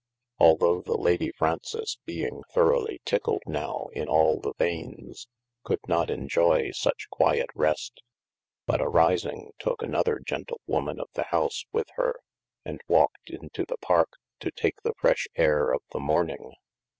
Although the Lady Fraunces being throughly tickled now in al the vaynes, could not enjoye such quiet rest, but arising toke another gentle woman of the house with hir, and walked into the parke to take the fresh ayre of the morning.